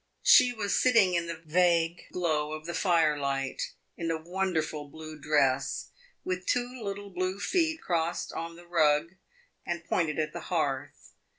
She was sitting in the vague glow of the fire light, in a wonderful blue dress, with two little blue feet crossed on the rug and pointed at the hearth.